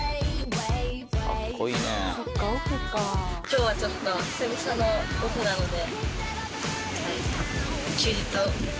今日はちょっと久々のオフなので。